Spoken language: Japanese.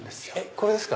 これですか？